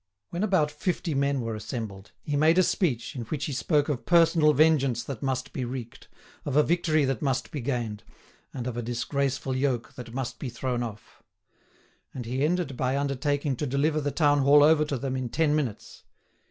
When about fifty men were assembled, he made a speech, in which he spoke of personal vengeance that must be wreaked, of a victory that must be gained, and of a disgraceful yoke that must be thrown off. And he ended by undertaking to deliver the town hall over to them in ten minutes.